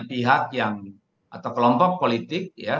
pihak yang atau kelompok politik